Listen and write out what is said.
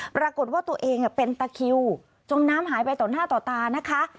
ปรากฏว่าตัวเองเป็นตะคิวจมน้ำหายไปต่อหน้าต่อตานะคะ